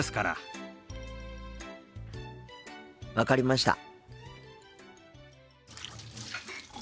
分かりました。